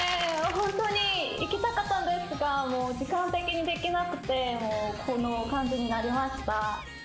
本当に行きたかったんですが時間的にできなくてこの感じになりました。